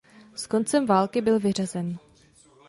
S koncem války byl vyřazen.